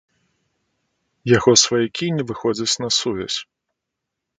Яго сваякі не выходзяць на сувязь.